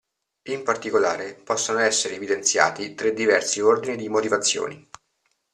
In particolare, possono essere evidenziati tre diversi ordini di motivazioni.